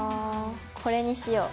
これにしよう。